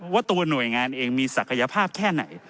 ว่าตัวหน่วยงานเองมีศักยภาพแค่ไหน